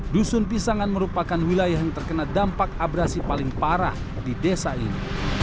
dusun pisangan merupakan wilayah yang terkena dampak abrasi paling parah di desa ini